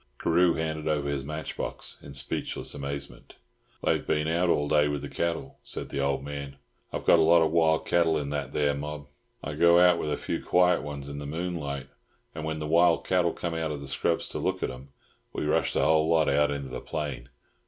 Carew handed over his match box in speechless amazement. "They've been out all day with the cattle," said the old man. "I've got a lot of wild cattle in that there mob. I go out with a few quiet ones in the moonlight, and when the wild cattle come out of the scrubs to look at 'em we rush the whole lot out into the plain.